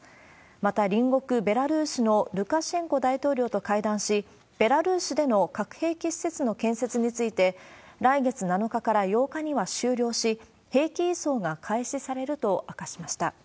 また、隣国ベラルーシのルカシェンコ大統領と会談し、ベラルーシでの核兵器施設の建設について、来月７日から８日には終了し、兵器移送が開始されると明かしました。